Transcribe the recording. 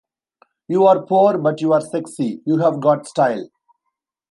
You're poor but you're sexy, you've got style.